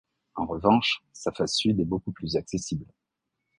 En revanche, sa face sud est beaucoup plus accessible.